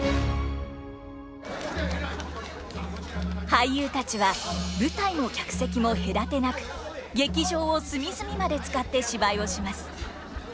俳優たちは舞台も客席も隔てなく劇場を隅々まで使って芝居をします。